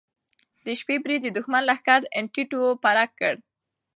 د شپې برید د دښمن لښکر تیت و پرک کړ.